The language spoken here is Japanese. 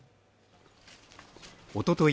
おととい